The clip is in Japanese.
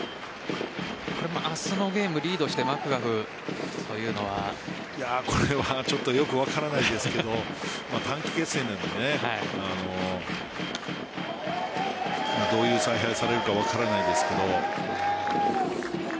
これ明日のゲームリードしてこれはちょっとよく分からないですけど短期決戦なのでどういう采配をされるか分からないですけど。